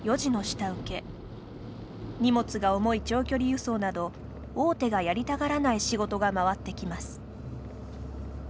荷物が重い長距離輸送など大手がやりたがらない仕事が回ってきます。